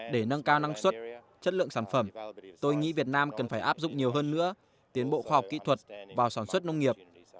để nâng cao năng suất chất lượng sản phẩm tôi nghĩ việt nam cần phải áp dụng nhiều hơn nữa tiến bộ khoa học kỹ thuật vào sản xuất nông nghiệp